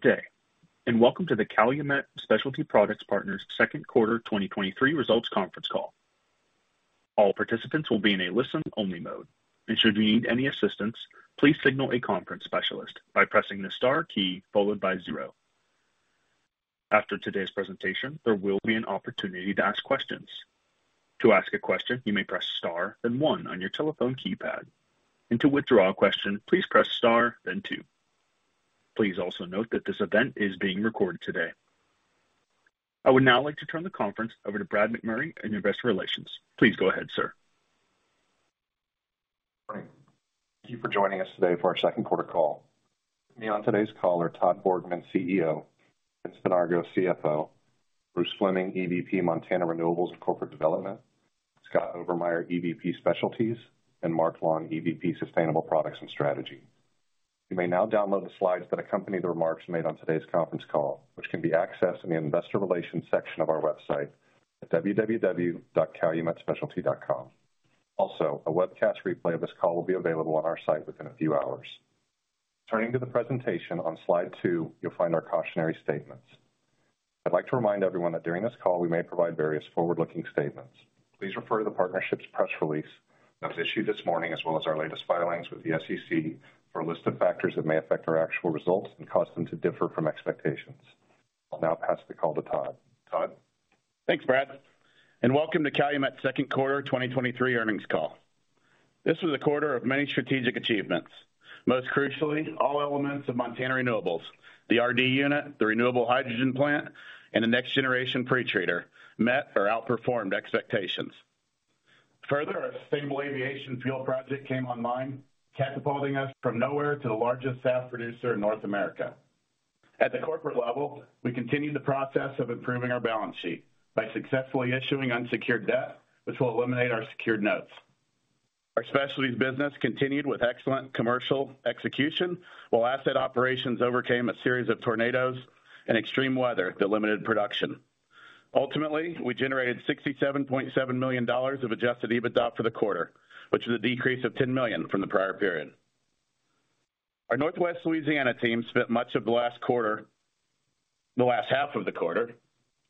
Good day, and welcome to the Calumet Specialty Products Partners Second Quarter 2023 Results Conference Call. All participants will be in a listen-only mode, and should you need any assistance, please signal a conference specialist by pressing the star key followed by zero. After today's presentation, there will be an opportunity to ask questions. To ask a question, you may press star, then one on your telephone keypad, and to withdraw a question, please press star, then two. Please also note that this event is being recorded today. I would now like to turn the conference over to Brad McMurray in Investor Relations. Please go ahead, sir. Thank you for joining us today for our second quarter call. Me on today's call are Todd Borgmann, CEO, Vince Donargo, CFO, Bruce Fleming, EVP, Montana Renewables and Corporate Development, Scott Obermeier, EVP, Specialties, and Marc Long, EVP, Sustainable Products and Strategy. You may now download the slides that accompany the remarks made on today's conference call, which can be accessed in the Investor Relations section of our website at www.calumetspecialty.com. Also, a webcast replay of this call will be available on our site within a few hours. Turning to the presentation on Slide two, you'll find our cautionary statements. I'd like to remind everyone that during this call, we may provide various forward-looking statements. Please refer to the Partnership's press release that was issued this morning, as well as our latest filings with the SEC, for a list of factors that may affect our actual results and cause them to differ from expectations. I'll now pass the call to Todd. Todd? Thanks, Brad, and welcome to Calumet Second Quarter 2023 Earnings Call. This was a quarter of many strategic achievements. Most crucially, all elements of Montana Renewables, the RD unit, the renewable hydrogen plant, and the next generation pre-treater met or outperformed expectations. Our sustainable aviation fuel project came online, catapulting us from nowhere to the largest SAF producer in North America. At the corporate level, we continued the process of improving our balance sheet by successfully issuing unsecured debt, which will eliminate our secured notes. Our specialties business continued with excellent commercial execution, while asset operations overcame a series of tornadoes and extreme weather that limited production. We generated $67.7 million of Adjusted EBITDA for the quarter, which is a decrease of $10 million from the prior period. Our Northwest Louisiana team spent much of the last quarter, the last half of the quarter,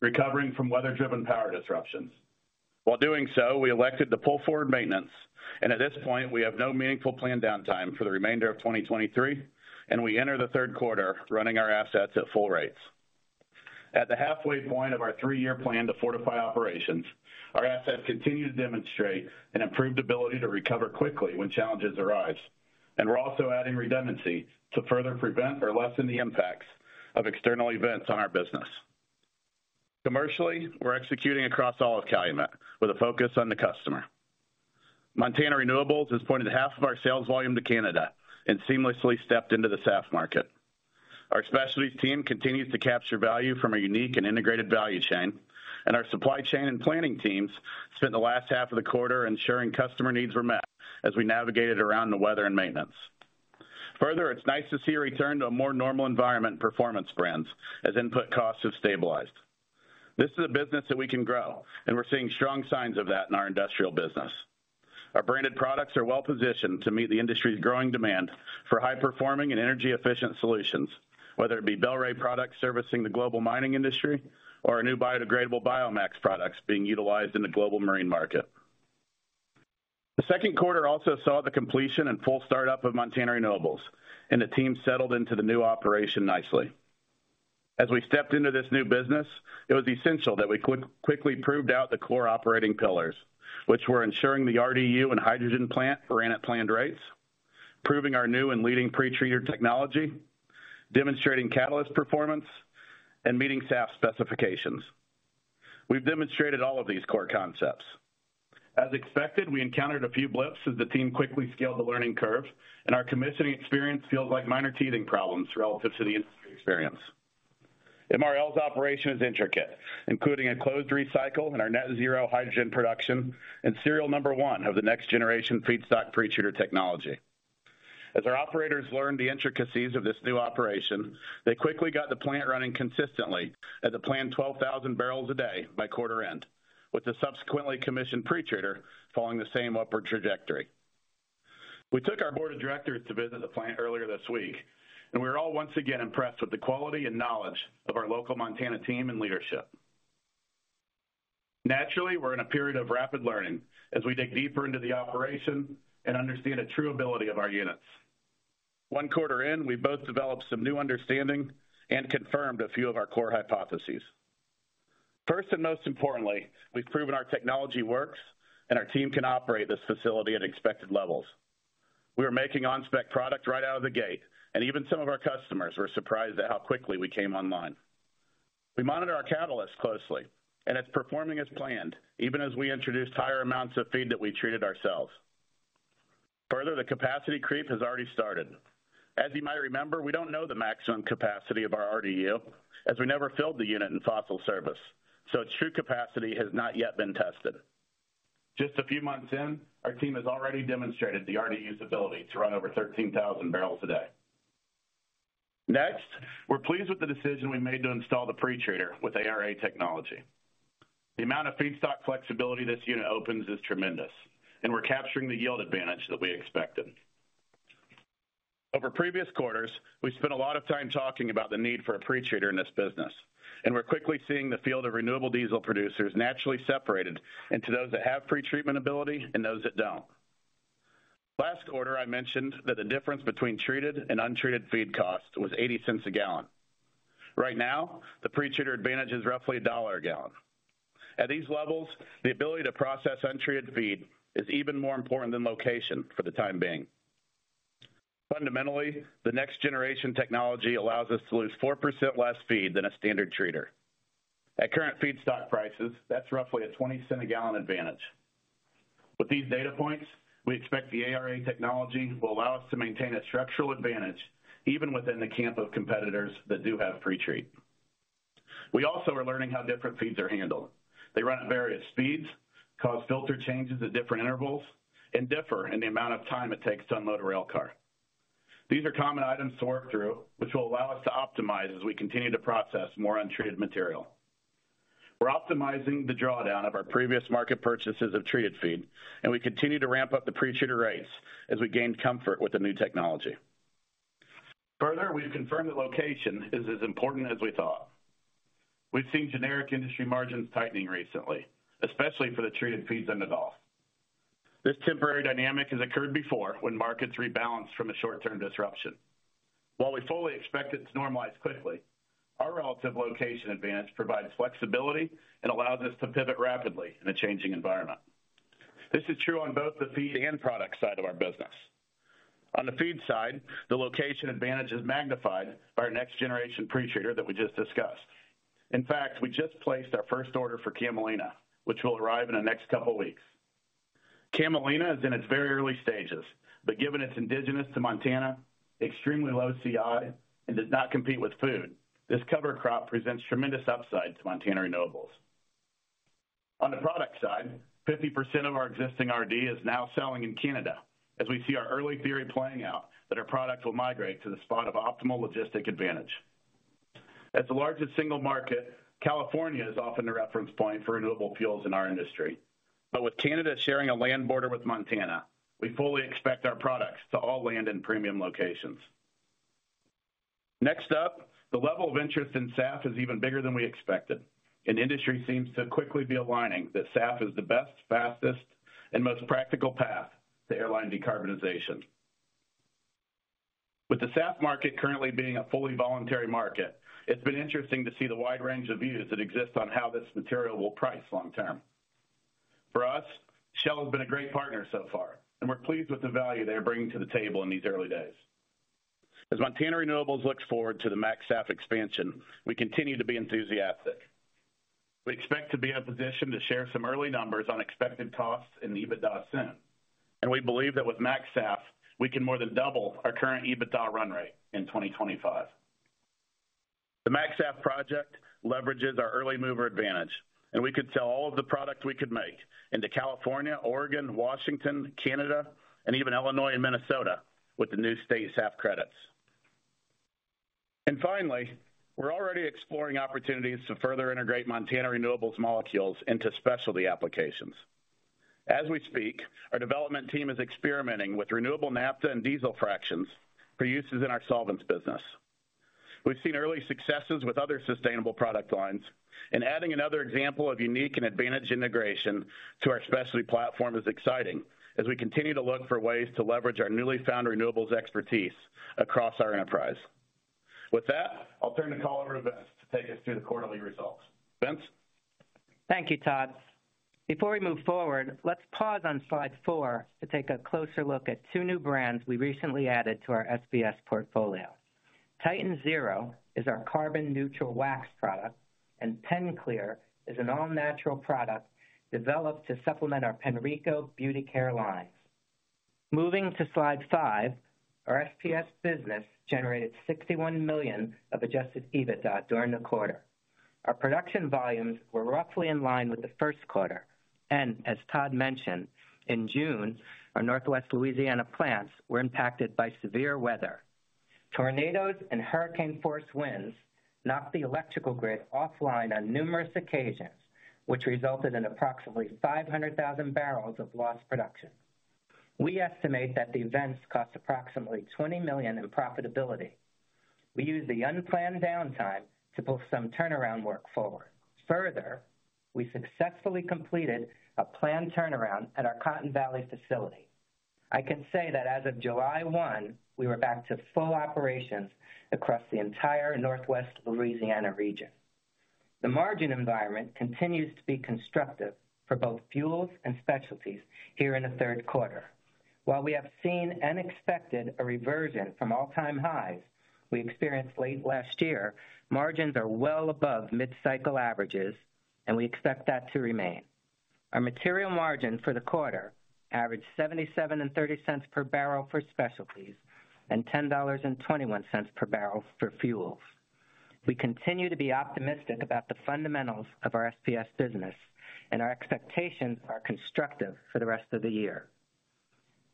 recovering from weather-driven power disruptions. While doing so, we elected to pull forward maintenance, and at this point, we have no meaningful planned downtime for the remainder of 2023, and we enter the third quarter running our assets at full rates. At the halfway point of our three-year plan to fortify operations, our assets continue to demonstrate an improved ability to recover quickly when challenges arise, and we're also adding redundancy to further prevent or lessen the impacts of external events on our business. Commercially, we're executing across all of Calumet with a focus on the customer. Montana Renewables has pointed half of our sales volume to Canada and seamlessly stepped into the SAF market. Our Specialties team continues to capture value from our unique and integrated value chain, and our supply chain and planning teams spent the last half of the quarter ensuring customer needs were met as we navigated around the weather and maintenance. Further, it's nice to see a return to a more normal environment Performance Brands as input costs have stabilized. This is a business that we can grow, and we're seeing strong signs of that in our industrial business. Our branded products are well positioned to meet the industry's growing demand for high-performing and energy-efficient solutions, whether it be Bel-Ray products servicing the global mining industry or our new biodegradable BIOMAX products being utilized in the global marine market. The second quarter also saw the completion and full startup of Montana Renewables, and the team settled into the new operation nicely. As we stepped into this new business, it was essential that we quickly proved out the core operating pillars, which were ensuring the RDU and hydrogen plant ran at planned rates, proving our new and leading pre-treater technology, demonstrating catalyst performance, and meeting SAF specifications. We've demonstrated all of these core concepts. As expected, we encountered a few blips as the team quickly scaled the learning curve, our commissioning experience feels like minor teething problems relative to the industry experience. MRL's operation is intricate, including a closed recycle in our net zero hydrogen production and serial number one of the next generation feedstock pre-treater technology. As our operators learned the intricacies of this new operation, they quickly got the plant running consistently at the planned 12,000 bbl a day by quarter end, with the subsequently commissioned pre-treater following the same upward trajectory. We took our board of directors to visit the plant earlier this week, and we were all once again impressed with the quality and knowledge of our local Montana team and leadership. Naturally, we're in a period of rapid learning as we dig deeper into the operation and understand the true ability of our units. One quarter in, we both developed some new understanding and confirmed a few of our core hypotheses. First, and most importantly, we've proven our technology works and our team can operate this facility at expected levels. We are making on-spec product right out of the gate, and even some of our customers were surprised at how quickly we came online. We monitor our catalysts closely, and it's performing as planned, even as we introduced higher amounts of feed that we treated ourselves. Further, the capacity creep has already started. As you might remember, we don't know the maximum capacity of our RDU, as we never filled the unit in fossil service, so its true capacity has not yet been tested. Just a few months in, our team has already demonstrated the RDU's ability to run over 13,000 bbl a day. Next, we're pleased with the decision we made to install the pre-treater with ARA technology. The amount of feedstock flexibility this unit opens is tremendous, and we're capturing the yield advantage that we expected. Over previous quarters, we've spent a lot of time talking about the need for a pre-treater in this business, and we're quickly seeing the field of renewable diesel producers naturally separated into those that have pretreatment ability and those that don't. Last quarter, I mentioned that the difference between treated and untreated feed costs was $0.80 a gallon. Right now, the pre-treater advantage is roughly $1 a gallon. At these levels, the ability to process untreated feed is even more important than location for the time being. Fundamentally, the next generation technology allows us to lose 4% less feed than a standard treater. At current feedstock prices, that's roughly a $0.20 a gallon advantage. With these data points, we expect the ARA technology will allow us to maintain a structural advantage, even within the camp of competitors that do have pretreat. We also are learning how different feeds are handled. They run at various speeds, cause filter changes at different intervals, and differ in the amount of time it takes to unload a rail car. These are common items to work through, which will allow us to optimize as we continue to process more untreated material. We're optimizing the drawdown of our previous market purchases of treated feed, and we continue to ramp up the pre-treater rates as we gain comfort with the new technology. Further, we've confirmed that location is as important as we thought. We've seen generic industry margins tightening recently, especially for the treated feeds in the Gulf. This temporary dynamic has occurred before when markets rebalance from a short-term disruption. While we fully expect it to normalize quickly, our relative location advantage provides flexibility and allows us to pivot rapidly in a changing environment. This is true on both the feed and product side of our business. On the feed side, the location advantage is magnified by our next generation pre-treater that we just discussed. In fact, we just placed our first order for camelina, which will arrive in the next couple of weeks. Camelina is in its very early stages. Given it's indigenous to Montana, extremely low CI, and does not compete with food, this cover crop presents tremendous upside to Montana Renewables. On the product side, 50% of our existing RD is now selling in Canada, as we see our early theory playing out that our products will migrate to the spot of optimal logistic advantage. As the largest single market, California is often the reference point for renewable fuels in our industry. With Canada sharing a land border with Montana, we fully expect our products to all land in premium locations. Next up, the level of interest in SAF is even bigger than we expected, and industry seems to quickly be aligning that SAF is the best, fastest, and most practical path to airline decarbonization. With the SAF market currently being a fully voluntary market, it's been interesting to see the wide range of views that exist on how this material will price long term. For us, Shell has been a great partner so far, and we're pleased with the value they are bringing to the table in these early days. As Montana Renewables looks forward to the MaxSAF expansion, we continue to be enthusiastic. We expect to be in a position to share some early numbers on expected costs and EBITDA soon, and we believe that with MaxSAF, we can more than double our current EBITDA run rate in 2025. The MaxSAF project leverages our early mover advantage, and we could sell all of the product we could make into California, Oregon, Washington, Canada, and even Illinois and Minnesota with the new state SAF credits. Finally, we're already exploring opportunities to further integrate Montana Renewables molecules into specialty applications. As we speak, our development team is experimenting with renewable naphtha and diesel fractions for uses in our solvents business. We've seen early successes with other sustainable product lines, and adding another example of unique and advantage integration to our specialty platform is exciting, as we continue to look for ways to leverage our newly found renewables expertise across our enterprise. With that, I'll turn the call over to Vince to take us through the quarterly results. Vince? Thank you, Todd. Before we move forward, let's pause on Slide four to take a closer look at two new brands we recently added to our SPS portfolio. TitanZero is our carbon neutral wax product, and PenClear is an all-natural product developed to supplement our Penreco beauty care line. Moving to Slide five, our SPS business generated $61 million of Adjusted EBITDA during the quarter. Our production volumes were roughly in line with the first quarter, and as Todd mentioned, in June, our Northwest Louisiana plants were impacted by severe weather. Tornadoes and hurricane force winds knocked the electrical grid offline on numerous occasions, which resulted in approximately 500,000 bbl of lost production. We estimate that the events cost approximately $20 million in profitability. We used the unplanned downtime to pull some turnaround work forward. We successfully completed a planned turnaround at our Cotton Valley facility. I can say that as of July 1, we were back to full operations across the entire Northwest Louisiana region. The margin environment continues to be constructive for both fuels and specialties here in the third quarter. While we have seen and expected a reversion from all-time highs we experienced late last year, margins are well above mid-cycle averages, and we expect that to remain. Our material margin for the quarter averaged $77.30 per barrel for specialties, and $10.21 per barrel for fuels. We continue to be optimistic about the fundamentals of our SPS business, and our expectations are constructive for the rest of the year.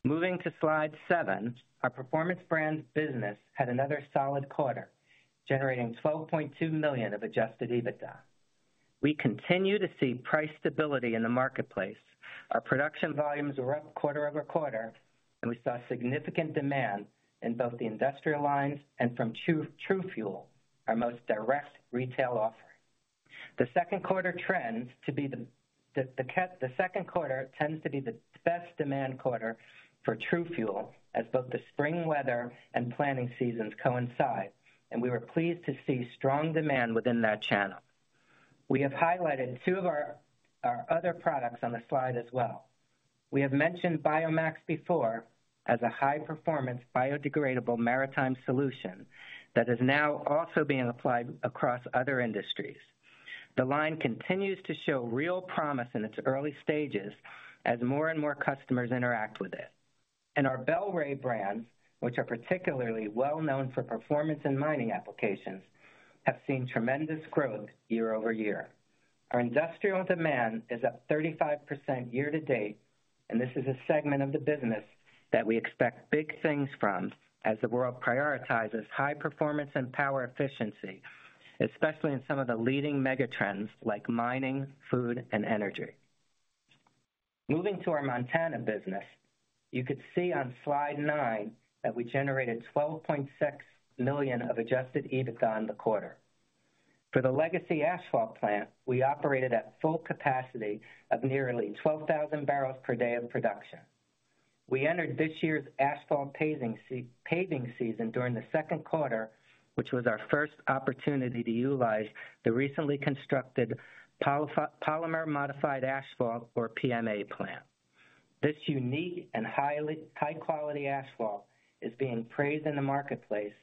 Moving to Slide seven, our Performance Brands business had another solid quarter, generating $12.2 million of Adjusted EBITDA. We continue to see price stability in the marketplace. Our production volumes were up quarter-over-quarter, and we saw significant demand in both the industrial lines and from True, TruFuel, our most direct retail offering. The second quarter tends to be the best demand quarter for TruFuel, as both the spring weather and planting seasons coincide, and we were pleased to see strong demand within that channel. We have highlighted two of our, our other products on the slide as well. We have mentioned BIOMAX before as a high-performance, biodegradable maritime solution that is now also being applied across other industries. The line continues to show real promise in its early stages as more and more customers interact with it. Our Bel-Ray brands, which are particularly well known for performance and mining applications, have seen tremendous growth year-over-year. Our industrial demand is up 35% year-to-date. This is a segment of the business that we expect big things from as the world prioritizes high performance and power efficiency, especially in some of the leading megatrends like mining, food, and energy. Moving to our Montana business, you could see on Slide nine that we generated $12.6 million of Adjusted EBITDA in the quarter. For the legacy asphalt plant, we operated at full capacity of nearly 12,000 bbl per day of production. We entered this year's asphalt paving season during the second quarter, which was our first opportunity to utilize the recently constructed polymer modified asphalt or PMA plant. This unique and high-quality asphalt is being praised in the marketplace.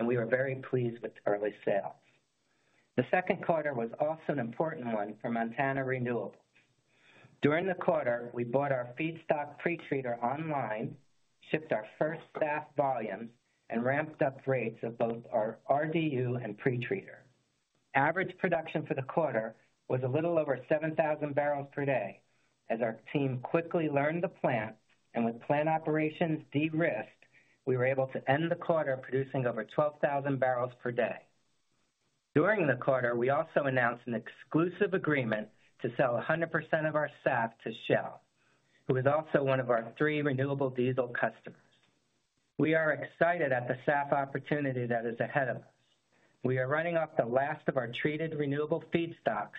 We are very pleased with early sales. The second quarter was also an important one for Montana Renewables. During the quarter, we bought our feedstock pre-treater online, shipped our first SAF volumes, and ramped up rates of both our RDU and pre-treater. Average production for the quarter was a little over 7,000 bbl per day. As our team quickly learned the plant, and with plant operations de-risked, we were able to end the quarter producing over 12,000 bbl per day. During the quarter, we also announced an exclusive agreement to sell 100% of our SAF to Shell, who is also one of our three renewable diesel customers. We are excited at the SAF opportunity that is ahead of us. We are running off the last of our treated renewable feedstocks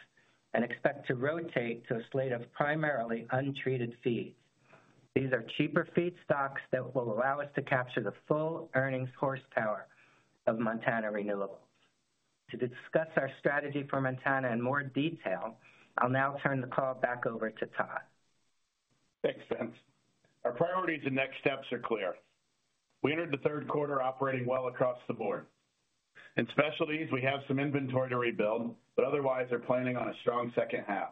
and expect to rotate to a slate of primarily untreated feeds. These are cheaper feedstocks that will allow us to capture the full earnings horsepower of Montana Renewables. To discuss our strategy for Montana in more detail, I'll now turn the call back over to Todd. Thanks, Vince. Our priorities and next steps are clear. In specialties, we have some inventory to rebuild, but otherwise are planning on a strong second half.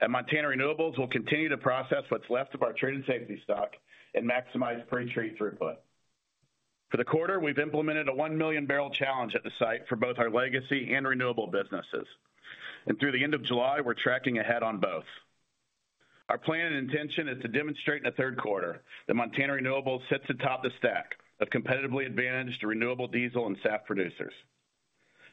At Montana Renewables, we'll continue to process what's left of our trade and safety stock and maximize pretreat throughput. For the quarter, we've implemented a 1 million bbl challenge at the site for both our legacy and renewable businesses. Through the end of July, we're tracking ahead on both. Our plan and intention is to demonstrate in the third quarter that Montana Renewables sits atop the stack of competitively advantaged renewable diesel and SAF producers.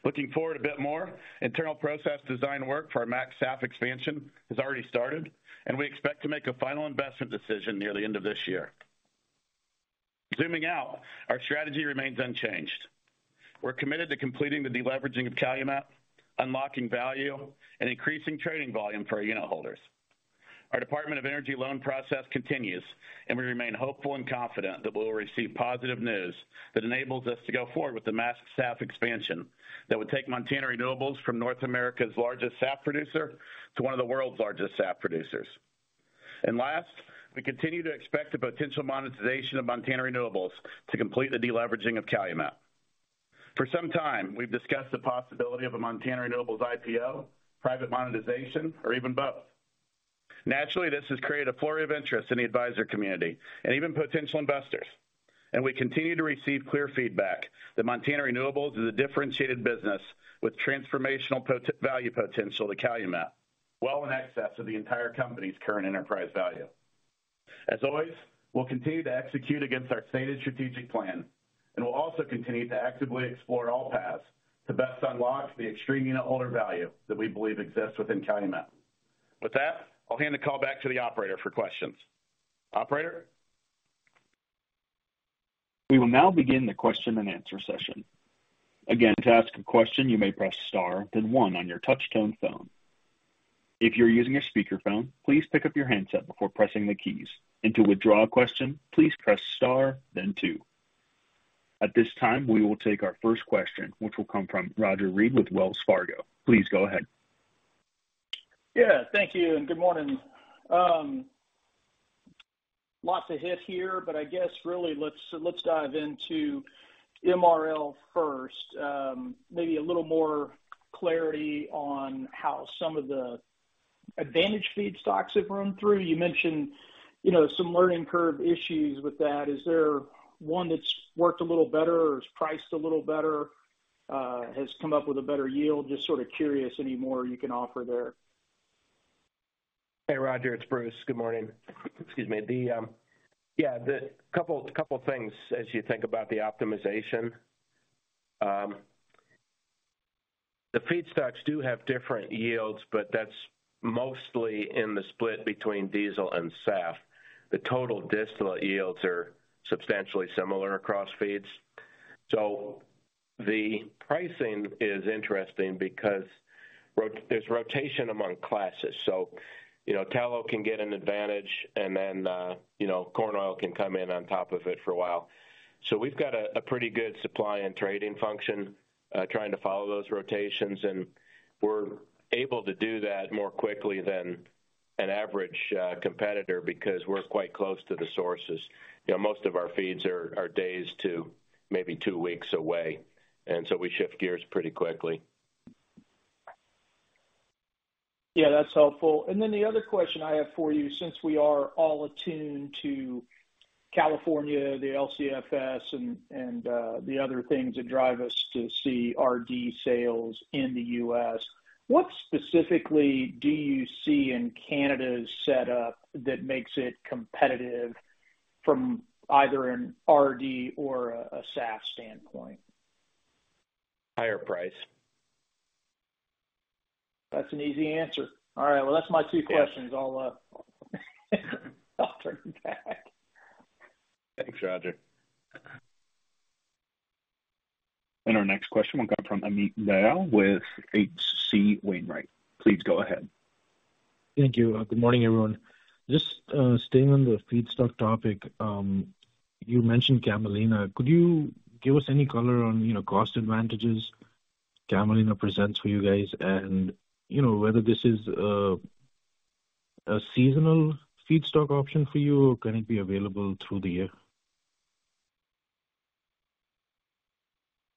Looking forward a bit more, internal process design work for our MaxSAF expansion has already started, and we expect to make a final investment decision near the end of this year. Zooming out, our strategy remains unchanged. We're committed to completing the deleveraging of Calumet, unlocking value, and increasing trading volume for our unitholders. Our Department of Energy loan process continues, and we remain hopeful and confident that we will receive positive news that enables us to go forward with the MaxSAF expansion that would take Montana Renewables from North America's largest SAF producer to one of the world's largest SAF producers. Last, we continue to expect the potential monetization of Montana Renewables to complete the deleveraging of Calumet. For some time, we've discussed the possibility of a Montana Renewables IPO, private monetization, or even both. Naturally, this has created a flurry of interest in the advisor community and even potential investors, and we continue to receive clear feedback that Montana Renewables is a differentiated business with transformational value potential to Calumet, well in excess of the entire company's current enterprise value. As always, we'll continue to execute against our stated strategic plan, and we'll also continue to actively explore all paths to best unlock the extreme unitholder value that we believe exists within Calumet. With that, I'll hand the call back to the operator for questions. Operator? We will now begin the question-and-answer session. Again, to ask a question, you may press star, then one on your touchtone phone. If you're using a speakerphone, please pick up your handset before pressing the keys. To withdraw a question, please press star then two. At this time, we will take our first question, which will come from Roger Read with Wells Fargo. Please go ahead. Yeah, thank you, and good morning. Lots to hit here, but I guess really, let's, let's dive into MRL first. Maybe a little more clarity on how some of the advantage feedstocks have run through. You mentioned, you know, some learning curve issues with that. Is there one that's worked a little better or is priced a little better, has come up with a better yield? Just sort of curious any more you can offer there. Hey, Roger, it's Bruce. Good morning. Excuse me. The... Yeah, the couple, couple things as you think about the optimization. The feedstocks do have different yields, but that's mostly in the split between diesel and SAF. The total distillate yields are substantially similar across feeds. The pricing is interesting because there's rotation among classes. You know, tallow can get an advantage, and then, you know, corn oil can come in on top of it for a while. We've got a, a pretty good supply and trading function, trying to follow those rotations, and we're able to do that more quickly than an average competitor because we're quite close to the sources. You know, most of our feeds are, are days to maybe two weeks away, and so we shift gears pretty quickly. Yeah, that's helpful. Then the other question I have for you, since we are all attuned to California, the LCFS and, and, the other things that drive us to see RD sales in the U.S., what specifically do you see in Canada's setup that makes it competitive from either an RD or a, a SAF standpoint? Higher price. That's an easy answer. All right, well, that's my two questions. Yeah. I'll, I'll turn it back. Thanks, Roger. Our next question will come from Amit Dayal with H.C. Wainwright. Please go ahead. Thank you. Good morning, everyone. Just staying on the feedstock topic, you mentioned camelina. Could you give us any color on, you know, cost advantages camelina presents for you guys? You know, whether this is a seasonal feedstock option for you, or can it be available through the year?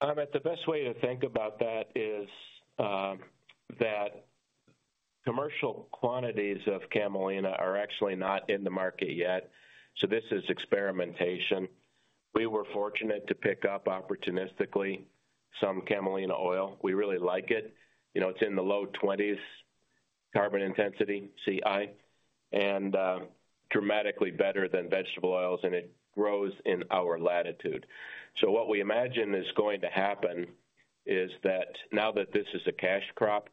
Amit, the best way to think about that is that commercial quantities of camelina are actually not in the market yet, so this is experimentation. We were fortunate to pick up opportunistically some camelina oil. We really like it. You know, it's in the low 20s, carbon intensity, CI, and dramatically better than vegetable oils, and it grows in our latitude. What we imagine is going to happen is that now that this is a cash crop,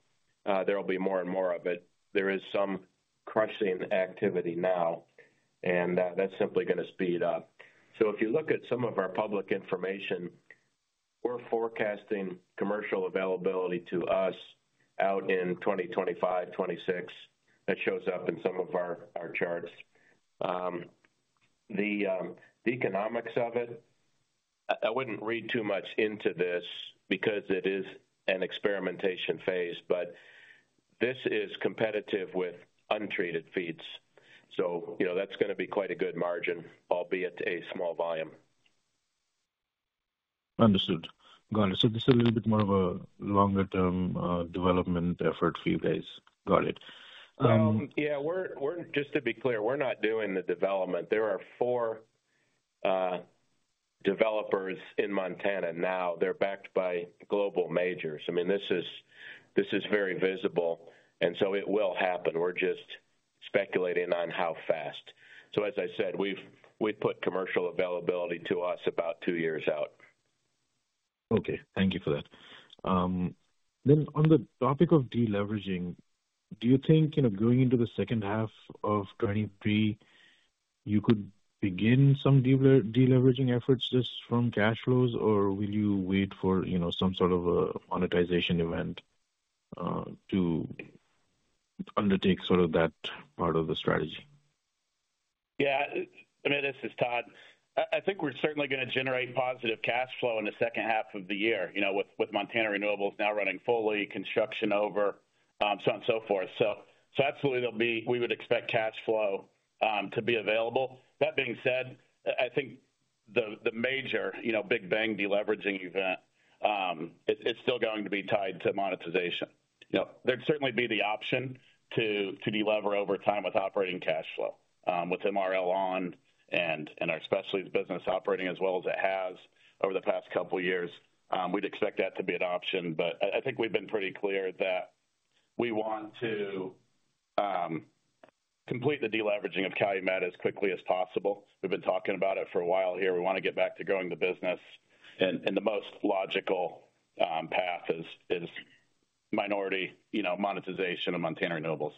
there will be more and more of it. There is some crushing activity now, and that's simply gonna speed up. If you look at some of our public information, we're forecasting commercial availability to us out in 2025, 2026. That shows up in some of our, our charts. The economics of it, I wouldn't read too much into this because it is an experimentation phase. This is competitive with untreated feeds. You know, that's gonna be quite a good margin, albeit a small volume. Understood. Got it. This is a little bit more of a longer-term development effort for you guys. Got it. Yeah, we're. Just to be clear, we're not doing the development. There are four developers in Montana now. They're backed by global majors. I mean, this is very visible, so it will happen. We're just speculating on how fast. As I said, we've put commercial availability to us about two years out. Okay. Thank you for that. On the topic of deleveraging, do you think, you know, going into the second half of 2023, you could begin some deleveraging efforts just from cash flows, or will you wait for, you know, some sort of a monetization event to undertake sort of that part of the strategy? Yeah, Amit, this is Todd. I think we're certainly gonna generate positive cash flow in the second half of the year, you know, with Montana Renewables now running fully, construction over, so on and so forth. Absolutely we would expect cash flow to be available. That being said, I think the major, you know, big bang deleveraging event, it's still going to be tied to monetization. You know, there'd certainly be the option to delever over time with operating cash flow. With MRL on and our specialties business operating as well as it has over the past couple of years, we'd expect that to be an option, but I think we've been pretty clear that we want to complete the deleveraging of Calumet as quickly as possible. We've been talking about it for a while here. We want to get back to growing the business, and the most logical path is minority, you know, monetization of Montana Renewables.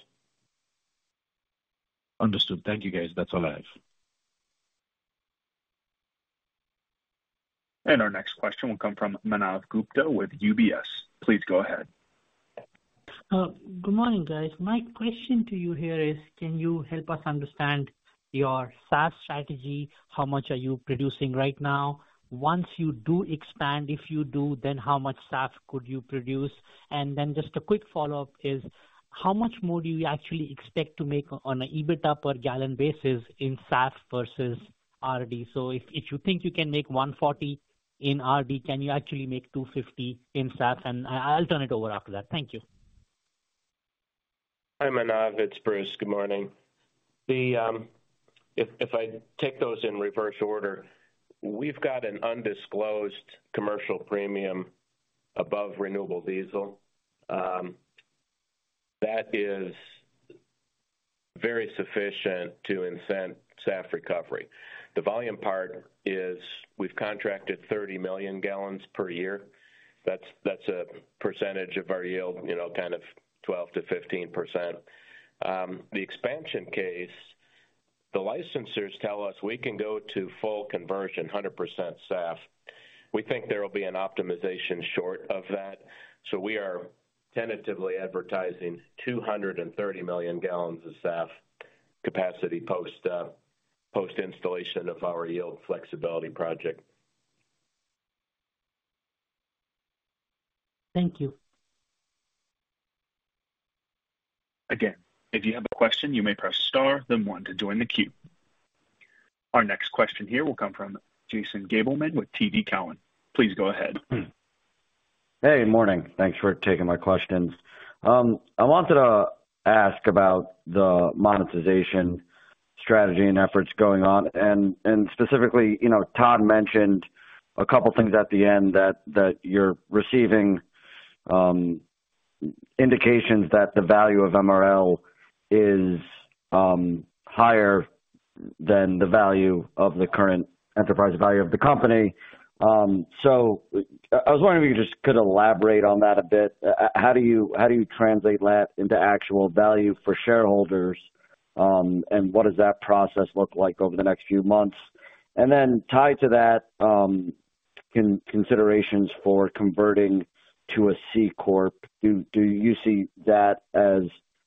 Understood. Thank you, guys. That's all I have. Our next question will come from Manav Gupta with UBS. Please go ahead. Good morning, guys. My question to you here is: can you help us understand your SAF strategy? How much are you producing right now? Once you do expand, if you do, then how much SAF could you produce? Just a quick follow-up is, how much more do you actually expect to make on a EBITDA per gallon basis in SAF versus RD? If you think you can make $1.40 in RD, can you actually make $2.50 in SAF? I'll turn it over after that. Thank you. Hi, Manav, it's Bruce. Good morning. If I take those in reverse order, we've got an undisclosed commercial premium above renewable diesel. That is very sufficient to incent SAF recovery. The volume part is, we've contracted 30 million gallons per year. That's that's a percentage of our yield, you know, kind of 12%-15%. The expansion case, the licensors tell us we can go to full conversion, 100% SAF. We think there will be an optimization short of that, so we are tentatively advertising 230 million gallons of SAF capacity post, post installation of our yield flexibility project. Thank you. Again, if you have a question, you may press star, then one to join the queue. Our next question here will come from Jason Gabelman with TD Cowen. Please go ahead. Hey, morning. Thanks for taking my questions. I wanted to ask about the monetization strategy and efforts going on, and specifically, you know, Todd mentioned two things at the end that you're receiving indications that the value of MRL is higher than the value of the current enterprise value of the company. I was wondering if you just could elaborate on that a bit. How do you translate that into actual value for shareholders? What does that process look like over the next few months? Tied to that, considerations for converting to a C-corp, do you see that as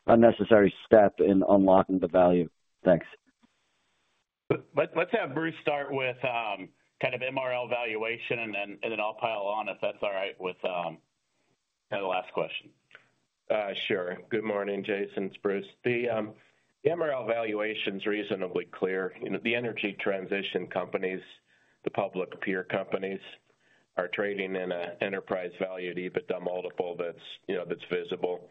a necessary step in unlocking the value? Thanks. Let's have Bruce start with, kind of MRL valuation, and then, and then I'll pile on, if that's all right with, kind of the last question. Sure. Good morning, Jason, it's Bruce. The MRL valuation's reasonably clear. You know, the energy transition companies, the public peer companies, are trading in a enterprise value to EBITDA multiple that's, you know, that's visible.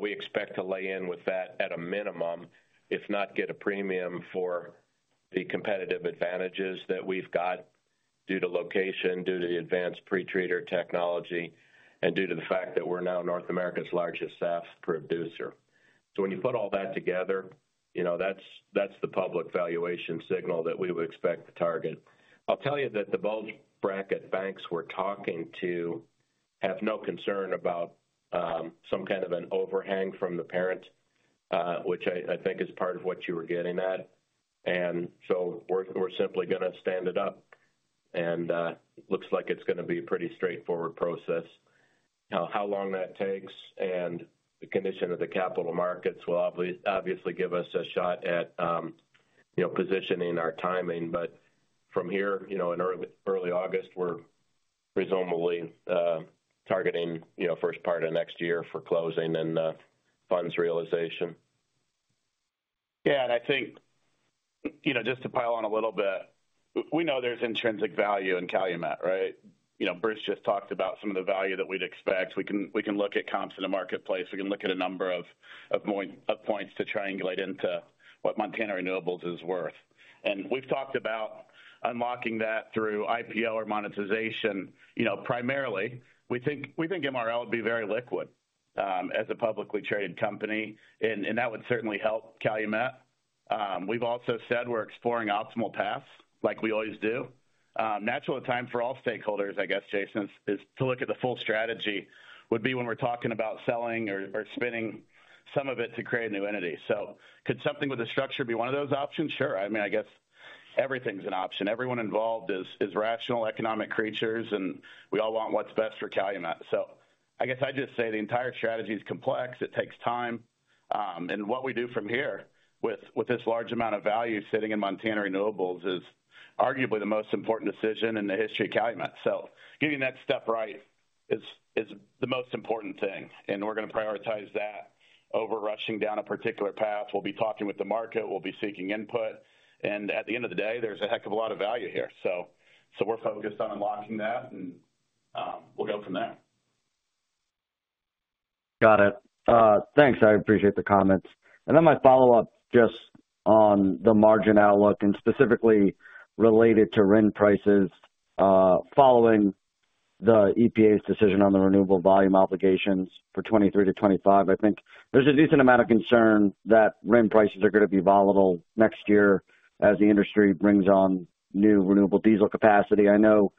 We expect to lay in with that at a minimum, if not get a premium for the competitive advantages that we've got due to location, due to the advanced pre-treater technology, and due to the fact that we're now North America's largest SAF producer. So when you put all that together, you know, that's, that's the public valuation signal that we would expect to target. I'll tell you that the bulge bracket banks we're talking to have no concern about some kind of an overhang from the parent, which I, I think is part of what you were getting at. We're, we're simply gonna stand it up, and looks like it's gonna be a pretty straightforward process. Now, how long that takes and the condition of the capital markets will obviously give us a shot at, you know, positioning our timing. From here, you know, in early, early August, we're presumably targeting, you know, first part of next year for closing and funds realization. Yeah, I think, you know, just to pile on a little bit, we know there's intrinsic value in Calumet, right? You know, Bruce just talked about some of the value that we'd expect. We can, we can look at comps in the marketplace. We can look at a number of, of point, of points to triangulate into what Montana Renewables is worth. We've talked about unlocking that through IPO or monetization. You know, primarily, we think, we think MRL would be very liquid, as a publicly traded company, and that would certainly help Calumet. We've also said we're exploring optimal paths, like we always do. Natural time for all stakeholders, I guess, Jason, is to look at the full strategy, would be when we're talking about selling or, or spinning some of it to create a new entity. Could something with the structure be one of those options? Sure. I mean, I guess everything's an option. Everyone involved is, is rational economic creatures, and we all want what's best for Calumet. I guess I'd just say the entire strategy is complex. It takes time, and what we do from here with, with this large amount of value sitting in Montana Renewables, is arguably the most important decision in the history of Calumet. Getting that step right is, is the most important thing, and we're gonna prioritize that over rushing down a particular path. We'll be talking with the market, we'll be seeking input, and at the end of the day, there's a heck of a lot of value here. We're focused on unlocking that, and we'll go from there. Got it. Thanks. I appreciate the comments. My follow-up just on the margin outlook and specifically related to RIN prices, following the EPA's decision on the Renewable Volume Obligations for 2023-2025. I think there's a decent amount of concern that RIN prices are gonna be volatile next year as the industry brings on new renewable diesel capacity. I know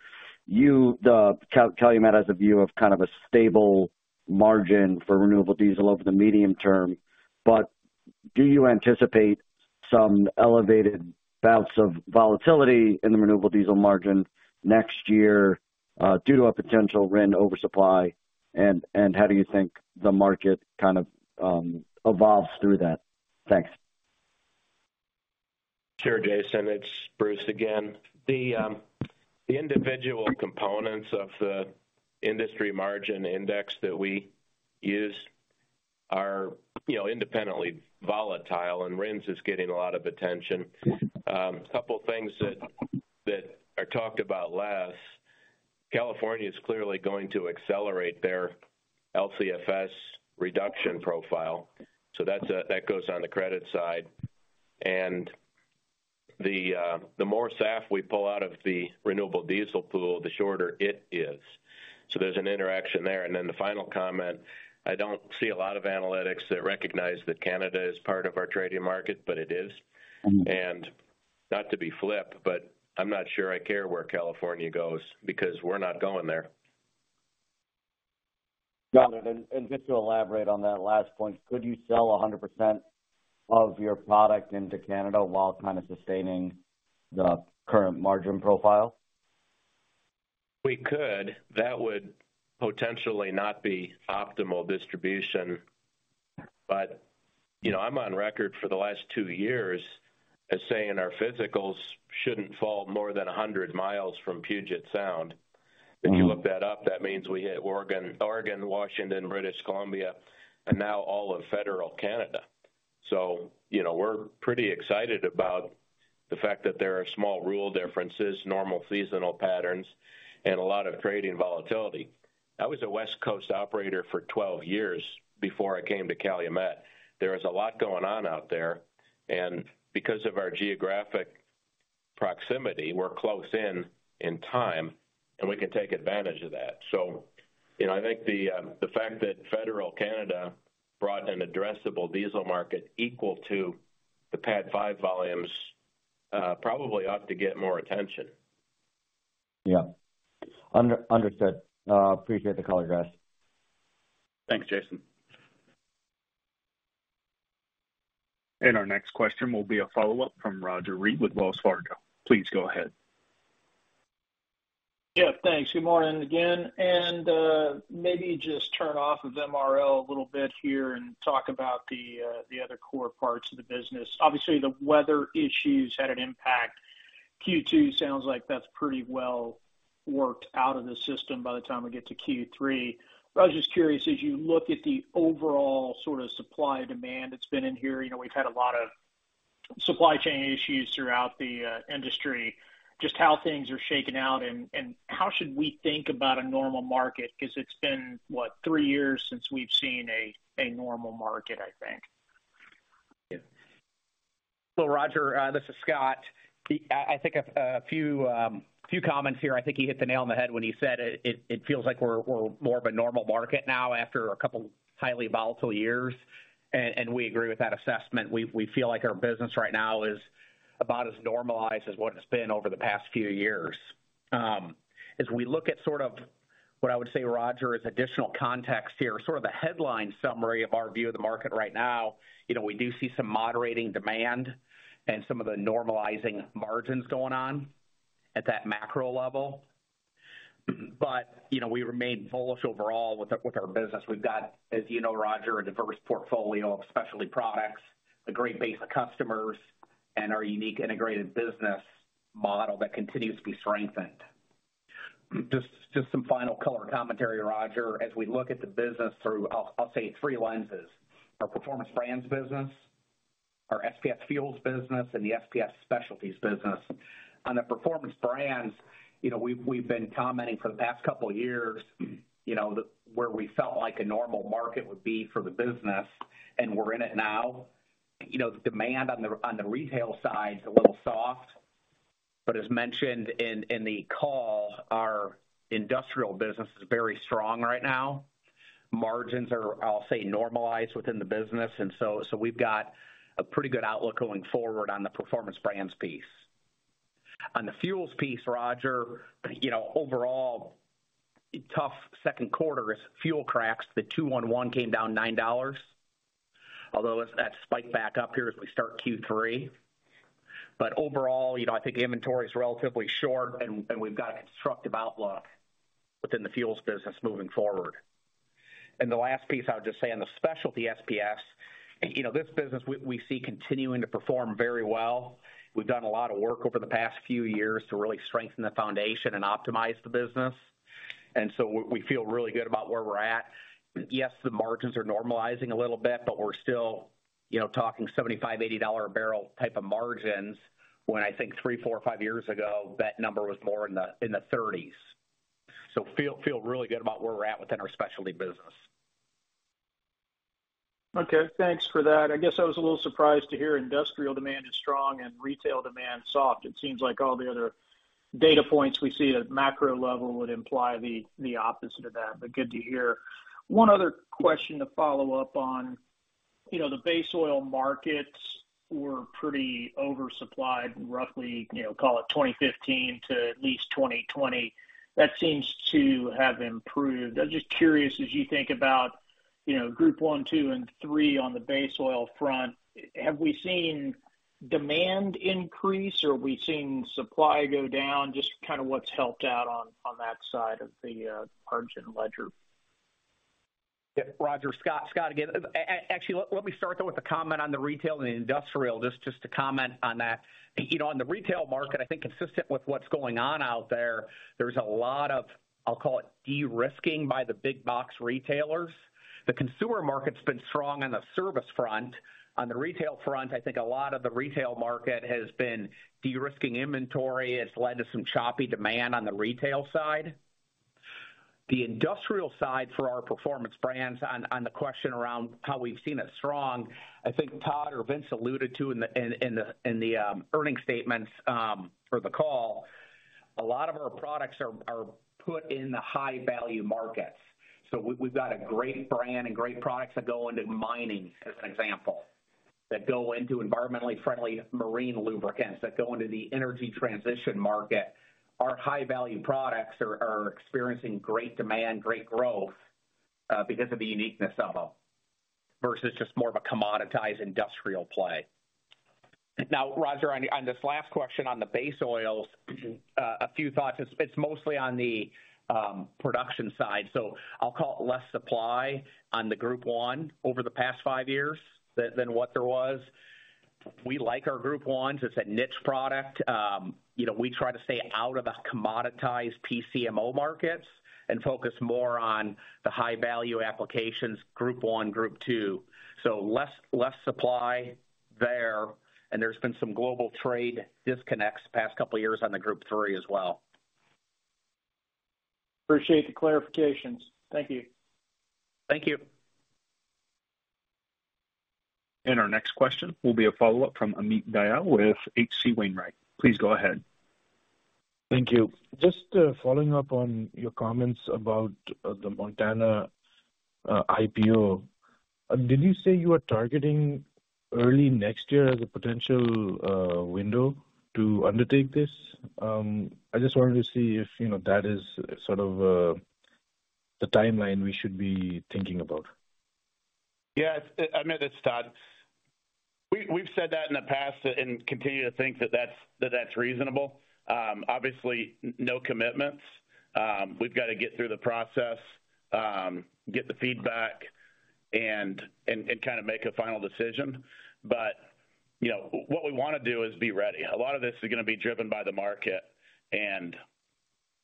you, Calumet has a view of kind of a stable margin for renewable diesel over the medium term, but do you anticipate some elevated bouts of volatility in the renewable diesel margin next year, due to a potential RIN oversupply? How do you think the market kind of evolves through that? Thanks. Sure, Jason, it's Bruce again. The individual components of the industry margin index that we use are, you know, independently volatile, and RINs is getting a lot of attention. A couple things that are talked about less. California is clearly going to accelerate their LCFS reduction profile, so that's that goes on the credit side. The more SAF we pull out of the renewable diesel pool, the shorter it is. There's an interaction there. Then the final comment, I don't see a lot of analytics that recognize that Canada is part of our trading market, but it is. Not to be flip, but I'm not sure I care where California goes, because we're not going there. Got it. And just to elaborate on that last point, could you sell 100% of your product into Canada while kind of sustaining the current margin profile? We could. That would potentially not be optimal distribution, but, you know, I'm on record for the last two years as saying our physicals shouldn't fall more than 100 mi from Puget Sound. If you look that up, that means we hit Oregon, Oregon, Washington, British Columbia, and now all of federal Canada. You know, we're pretty excited about the fact that there are small rule differences, normal seasonal patterns, and a lot of trading volatility. I was a West Coast operator for 12 years before I came to Calumet. There is a lot going on out there, and because of our geographic proximity, we're close in, in time, and we can take advantage of that. You know, I think the fact that federal Canada brought an addressable diesel market equal to the PADD 5 volumes probably ought to get more attention. Yeah. Understood. Appreciate the color, guys. Thanks, Jason. Our next question will be a follow-up from Roger Read with Wells Fargo. Please go ahead. Yeah, thanks. Good morning again. Maybe just turn off of MRL a little bit here and talk about the other core parts of the business. Obviously, the weather issues had an impact. Q2 sounds like that's pretty well worked out of the system by the time we get to Q3. I was just curious, as you look at the overall sort of supply and demand that's been in here, you know, we've had a lot of supply chain issues throughout the industry, just how things are shaking out, and how should we think about a normal market? It's been, what, three years since we've seen a normal market, I think. Well, Roger Read, this is Scott. I think a few comments here. I think you hit the nail on the head when you said it feels like we're more of a normal market now after two highly volatile years, we agree with that assessment. We feel like our business right now is about as normalized as what it's been over the past few years. As we look at sort of what I would say, Roger Read, is additional context here, sort of the headline summary of our view of the market right now, you know, we do see some moderating demand and some of the normalizing margins going on at that macro level. You know, we remain bullish overall with our business. We've got, as you know, Roger, a diverse portfolio of specialty products, a great base of customers, and our unique integrated business model that continues to be strengthened. Just some final color commentary, Roger, as we look at the business through I'll say three lenses: our Performance Brands business, our SPS Fuels business, and the SPS Specialties business. On the Performance Brands, you know, we've been commenting for the past couple of years, you know, where we felt like a normal market would be for the business, and we're in it now. You know, the demand on the retail side is a little soft, but as mentioned in the call, our industrial business is very strong right now. Margins are, I'll say, normalized within the business, and so we've got a pretty good outlook going forward on the Performance Brands piece. On the fuels piece, Roger, you know, overall, tough second quarter as fuel cracks, the 2-1-1 came down $9. Although that spiked back up here as we start Q3. Overall, you know, I think inventory is relatively short, and we've got a constructive outlook within the fuels business moving forward. The last piece, I would just say, on the specialty SPS, you know, this business we see continuing to perform very well. We've done a lot of work over the past few years to really strengthen the foundation and optimize the business, so we feel really good about where we're at. Yes, the margins are normalizing a little bit, but we're still, you know, talking $75-$80 a barrel type of margins, when I think three, four, or five years ago, that number was more in the 30s. Feel really good about where we're at within our Specialty Business. Okay, thanks for that. I guess I was a little surprised to hear industrial demand is strong and retail demand soft. It seems like all the other data points we see at macro level would imply the opposite of that, but good to hear. One other question to follow up on. You know, the base oil markets were pretty oversupplied, roughly, you know, call it 2015 to at least 2020. That seems to have improved. I'm just curious, as you think about, you know, Group I, II, and III on the base oil front, have we seen demand increase, or are we seeing supply go down? Just kind of what's helped out on that side of the margin ledger? Yep, Roger, Scott. Scott, again. Actually, let me start, though, with a comment on the retail and industrial, just to comment on that. You know, on the retail market, I think consistent with what's going on out there, there's a lot of, I'll call it, de-risking by the big box retailers. The consumer market's been strong on the service front. On the retail front, I think a lot of the retail market has been de-risking inventory. It's led to some choppy demand on the retail side. ... The industrial side for our Performance Brands, on, on the question around how we've seen it strong, I think Todd or Vince alluded to in the earnings statements, for the call, a lot of our products are, are put in the high-value markets. We've got a great brand and great products that go into mining, as an example, that go into environmentally friendly marine lubricants, that go into the energy transition market. Our high-value products are, are experiencing great demand, great growth, because of the uniqueness of them, versus just more of a commoditized industrial play. Roger, on, on this last question on the base oils, a few thoughts. It's, it's mostly on the production side, so I'll call it less supply on the Group I over the past five years than, than what there was. We like our Group I. It's a niche product. You know, we try to stay out of the commoditized PCMO markets and focus more on the high-value applications, Group I, Group II. Less, less supply there, there's been some global trade disconnects the past couple of years on the Group III as well. Appreciate the clarifications. Thank you. Thank you. Our next question will be a follow-up from Amit Dayal with H.C. Wainwright. Please go ahead. Thank you. Just following up on your comments about the Montana IPO. Did you say you are targeting early next year as a potential window to undertake this? I just wanted to see if, you know, that is sort of the timeline we should be thinking about? Yeah, Amit, it's Todd. We've said that in the past and continue to think that that's, that that's reasonable. Obviously, no commitments. We've got to get through the process, get the feedback and kind of make a final decision. You know, what we want to do is be ready. A lot of this is going to be driven by the market, and,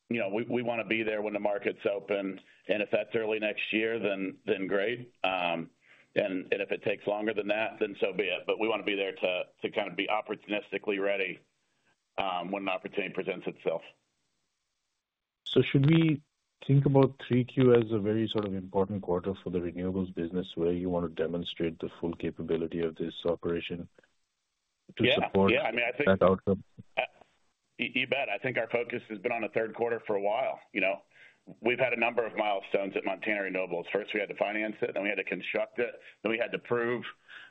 you know, we, we want to be there when the market's open, and if that's early next year, then great. If it takes longer than that, then so be it. We want to be there to kind of be opportunistically ready, when an opportunity presents itself. Should we think about 3Q as a very sort of important quarter for the renewables business, where you want to demonstrate the full capability of this operation to support- Yeah. - That outcome? You bet. I think our focus has been on the third quarter for a while. You know, we've had a number of milestones at Montana Renewables. First, we had to finance it, then we had to construct it, then we had to prove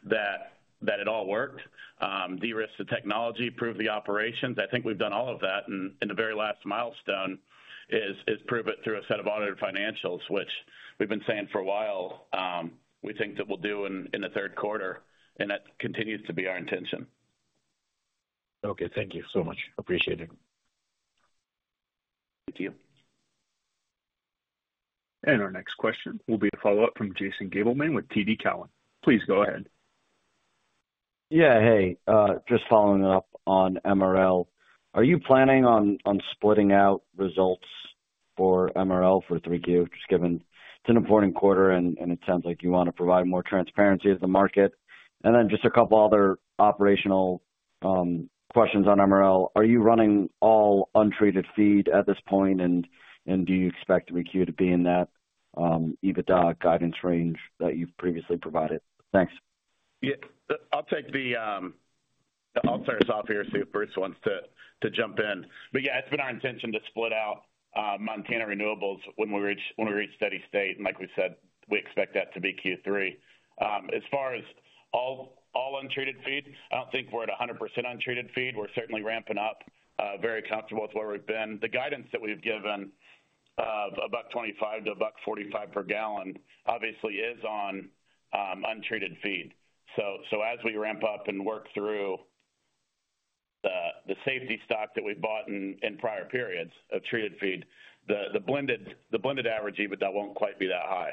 that it all worked, de-risk the technology, prove the operations. I think we've done all of that, and the very last milestone is prove it through a set of audited financials, which we've been saying for a while, we think that we'll do in the third quarter, and that continues to be our intention. Okay, thank you so much. Appreciate it. Thank you. Our next question will be a follow-up from Jason Gabelman with TD Cowen. Please go ahead. Yeah, hey. Just following up on MRL. Are you planning on, on splitting out results for MRL for 3Q? Just given it's an important quarter, and, and it sounds like you want to provide more transparency to the market. Then just a couple other operational, questions on MRL: Are you running all untreated feed at this point, and, and do you expect 3Q to be in that, EBITDA guidance range that you've previously provided? Thanks. Yeah. I'll take the, I'll start us off here, see if Bruce wants to jump in. Yeah, it's been our intention to split out Montana Renewables when we reach, when we reach steady state. Like we said, we expect that to be Q3. As far as all, all untreated feed, I don't think we're at 100% untreated feed. We're certainly ramping up, very comfortable with where we've been. The guidance that we've given of $1.25-$1.45 per gallon obviously is on untreated feed. As we ramp up and work through the safety stock that we bought in prior periods of treated feed, the blended average EBITDA won't quite be that high.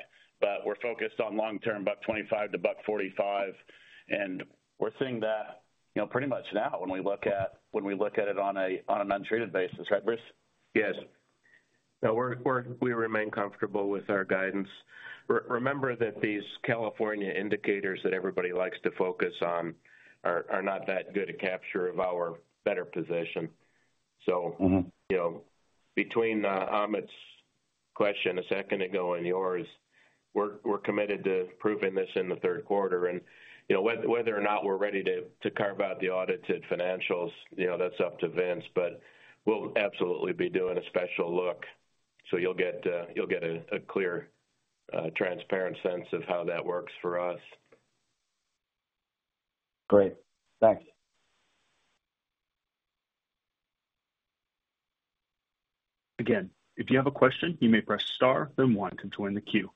We're focused on long term, $1.25-$1.45, and we're seeing that, you know, pretty much now when we look at, when we look at it on a, on an untreated basis, right, Bruce? Yes. Now we remain comfortable with our guidance. Remember that these California indicators that everybody likes to focus on are not that good a capture of our better position. Mm-hmm. You know, between, Amit's question a second ago and yours, we're, we're committed to proving this in the third quarter. You know, whether or not we're ready to, to carve out the audited financials, you know, that's up to Vince, but we'll absolutely be doing a special look. You'll get, you'll get a clear, transparent sense of how that works for us. Great. Thanks. Again, if you have a question, you may press star, then one to join the queue.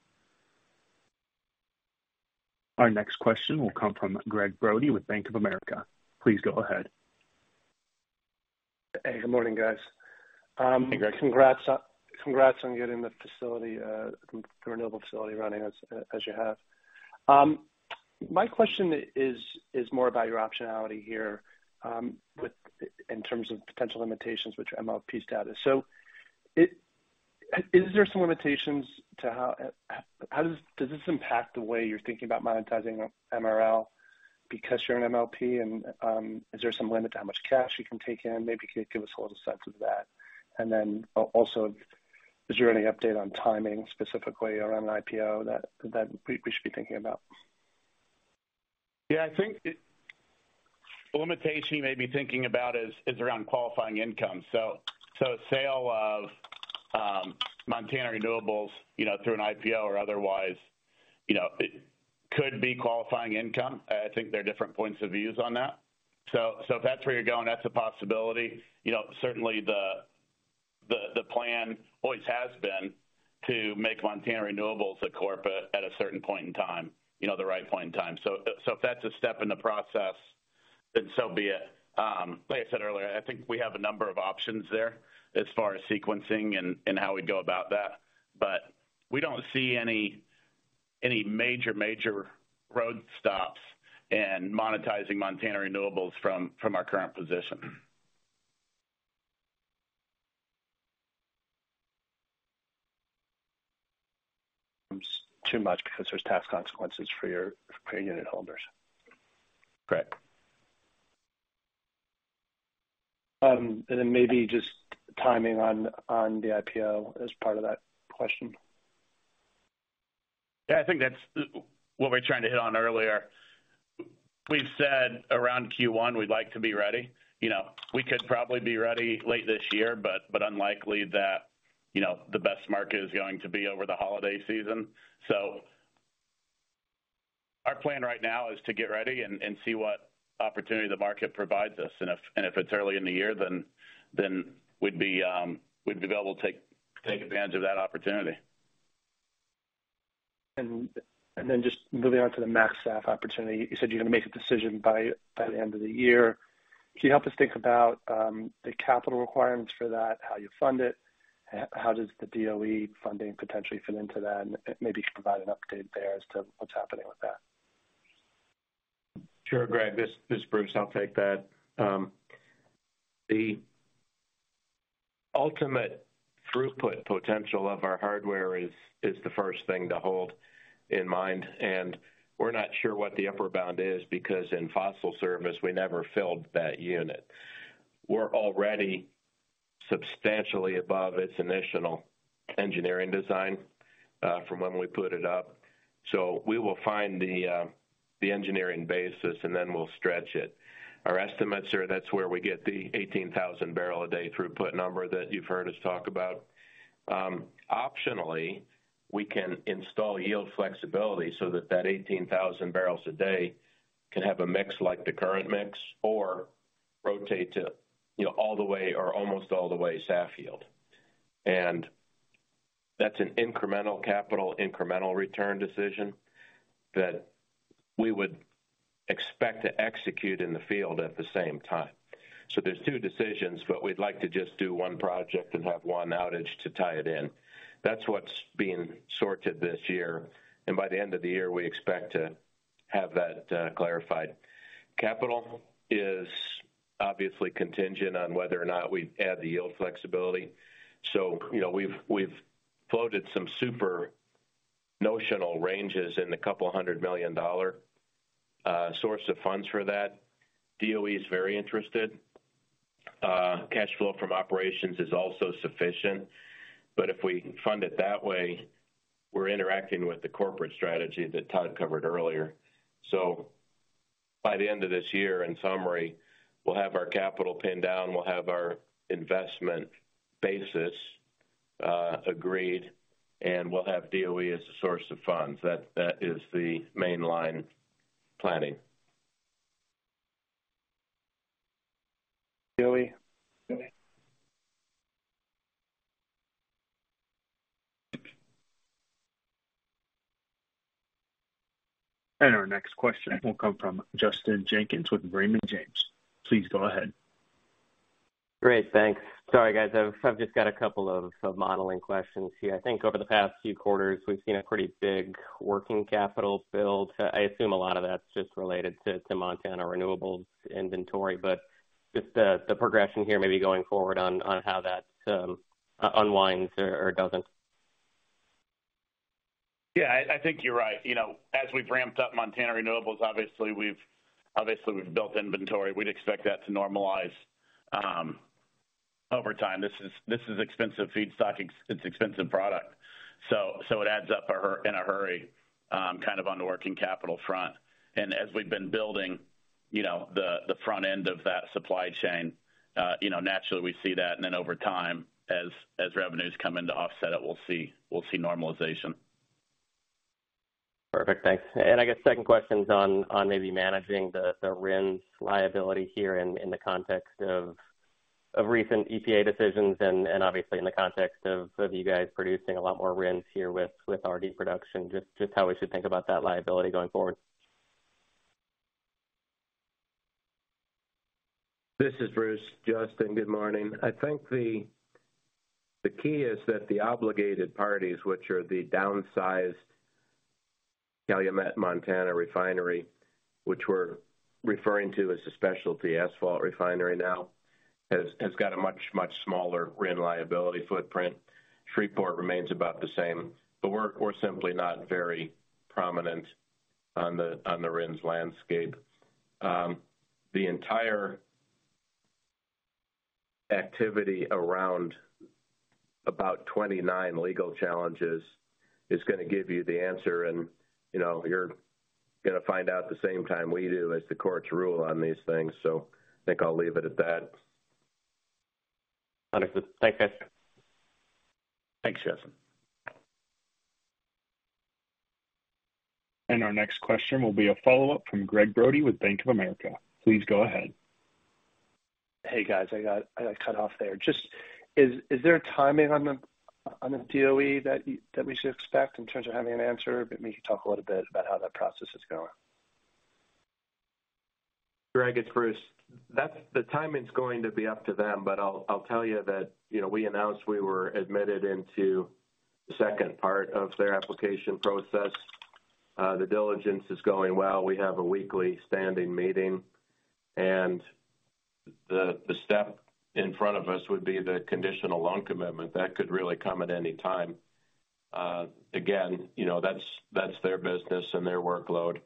Our next question will come from Gregg Brody with Bank of America. Please go ahead. Hey, good morning, guys. Hey, Gregg. Congrats on getting the facility, the renewable facility running as, as you have. My question is, is more about your optionality here, in terms of potential limitations which MLP status. Is there some limitations to how does this impact the way you're thinking about monetizing MRL? Because you're an MLP, is there some limit to how much cash you can take in? Maybe can you give us a little sense of that? Also, is there any update on timing, specifically around an IPO that, that we, we should be thinking about? Yeah, I think the limitation you may be thinking about is, is around qualifying income. Sale of Montana Renewables, you know, through an IPO or otherwise, you know, it could be qualifying income. I think there are different points of views on that. If that's where you're going, that's a possibility. You know, certainly the, the, the plan always has been to make Montana Renewables a corporate at a certain point in time, you know, the right point in time. If that's a step in the process, then so be it. Like I said earlier, I think we have a number of options there as far as sequencing and, and how we'd go about that. We don't see any, any major, major road stops in monetizing Montana Renewables from, from our current position. Too much because there's tax consequences for your, for your unit holders. Correct. Then maybe just timing on, on the IPO as part of that question? I think that's what we're trying to hit on earlier. We've said around Q1, we'd like to be ready. You know, we could probably be ready late this year, but unlikely that, you know, the best market is going to be over the holiday season. Our plan right now is to get ready and see what opportunity the market provides us. If it's early in the year, then we'd be able to take advantage of that opportunity. Then just moving on to the MaxSAF opportunity. You said you're going to make a decision by, by the end of the year. Can you help us think about the capital requirements for that, how you fund it, how does the DOE funding potentially fit into that? Maybe provide an update there as to what's happening with that? Sure, Gregg, this, this is Bruce Fleming. I'll take that. The ultimate throughput potential of our hardware is, is the first thing to hold in mind, and we're not sure what the upper bound is, because in fossil service, we never filled that unit. We're already substantially above its initial engineering design from when we put it up, so we will find the engineering basis, and then we'll stretch it. Our estimates are that's where we get the 18,000 barrel a day throughput number that you've heard us talk about. Optionally, we can install yield flexibility so that that 18,000 bbl a day can have a mix like the current mix, or rotate to, you know, all the way or almost all the way SAF fuel. That's an incremental capital, incremental return decision that we would expect to execute in the field at the same time. There's two decisions, but we'd like to just do one project and have one outage to tie it in. That's what's being sorted this year, and by the end of the year, we expect to have that clarified. Capital is obviously contingent on whether or not we add the yield flexibility. You know, we've, we've floated some super notional ranges in a $200 million source of funds for that. DOE is very interested. Cash flow from operations is also sufficient, but if we fund it that way, we're interacting with the corporate strategy that Todd covered earlier. By the end of this year, in summary, we'll have our capital pinned down, we'll have our investment basis, agreed, and we'll have DOE as a source of funds. That is the mainline planning. DOE? Okay. Our next question will come from Justin Jenkins with Raymond James. Please go ahead. Great, thanks. Sorry, guys, I've just got two modeling questions here. I think over the past few quarters, we've seen a pretty big working capital build. I assume a lot of that's just related to Montana Renewables inventory, but just the progression here, maybe going forward on how that unwinds or doesn't. Yeah, I, I think you're right. You know, as we've ramped up Montana Renewables, obviously we've built inventory. We'd expect that to normalize over time. This is, this is expensive feedstock, it's expensive product, so it adds up in a, in a hurry, kind of on the working capital front. As we've been building, you know, the, the front end of that supply chain, you know, naturally, we see that, and then over time, as, as revenues come in to offset it, we'll see, we'll see normalization. Perfect. Thanks. I guess second question is on, on maybe managing the, the RINs liability here in, in the context of, of recent EPA decisions and, and obviously in the context of, of you guys producing a lot more RINs here with, with RD production, just, just how we should think about that liability going forward. This is Bruce Fleming, Justin Jenkins, good morning. I think the, the key is that the obligated parties, which are the downsized Calumet Montana Refining, which we're referring to as a specialty asphalt refinery now-... Has got a much, much smaller RIN liability footprint. Shreveport remains about the same, but we're simply not very prominent on the, on the RINs landscape. The entire activity around about 29 legal challenges is gonna give you the answer, and, you know, you're gonna find out the same time we do as the courts rule on these things. I think I'll leave it at that. Understood. Thank you. Thanks, Justin. Our next question will be a follow-up from Gregg Brody with Bank of America. Please go ahead. Hey, guys, I got cut off there. Is there a timing on the DOE that we should expect in terms of having an answer? Maybe talk a little bit about how that process is going. Gregg, it's Bruce. That's the timing's going to be up to them, but I'll, I'll tell you that, you know, we announced we were admitted into the second part of their application process. The diligence is going well. We have a weekly standing meeting, the step in front of us would be the conditional loan commitment. That could really come at any time. Again, you know, that's, that's their business and their workload,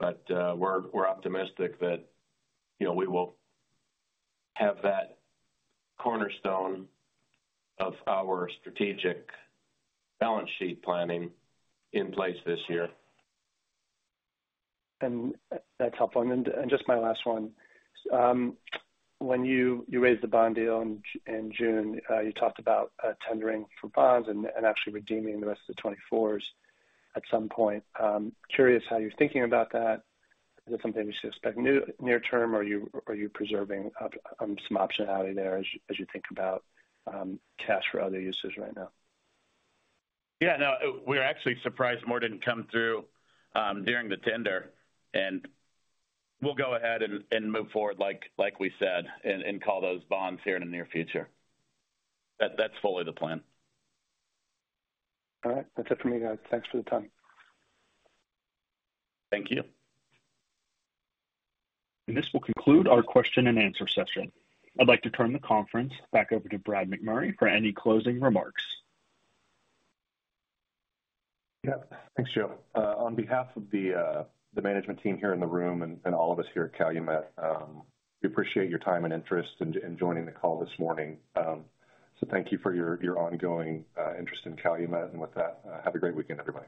but we're, we're optimistic that, you know, we will have that cornerstone of our strategic balance sheet planning in place this year. That's helpful. And just my last one. When you, you raised the bond deal in June, you talked about tendering for bonds and actually redeeming the rest of the twenty-fours at some point. Curious how you're thinking about that. Is it something we should expect near term, or you, are you preserving some optionality there as you, as you think about cash for other uses right now? Yeah, no, we're actually surprised more didn't come through, during the tender. We'll go ahead and, and move forward like, like we said, and, and call those bonds here in the near future. That's fully the plan. All right. That's it for me, guys. Thanks for the time. Thank you. This will conclude our question and answer session. I'd like to turn the conference back over to Brad McMurray for any closing remarks. Yeah. Thanks, Joe. On behalf of the, the management team here in the room and, and all of us here at Calumet, we appreciate your time and interest in, in joining the call this morning. Thank you for your, your ongoing, interest in Calumet. With that, have a great weekend, everybody.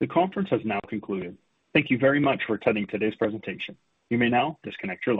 The conference has now concluded. Thank you very much for attending today's presentation. You may now disconnect your line.